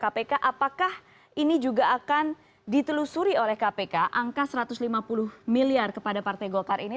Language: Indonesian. kpk apakah ini juga akan ditelusuri oleh kpk angka satu ratus lima puluh miliar kepada partai golkar ini